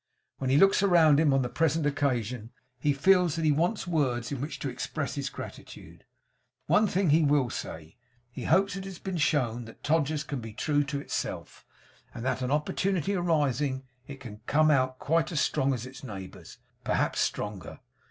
When he looks around him on the present occasion, he feels that he wants words in which to express his gratitude. One thing he will say. He hopes it has been shown that Todgers's can be true to itself; and that, an opportunity arising, it can come out quite as strong as its neighbours perhaps stronger.